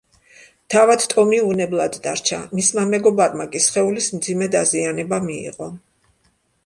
თავად ტომი უვნებლად დარჩა, მისმა მეგობარმა კი სხეულის მძიმე დაზიანება მიიღო.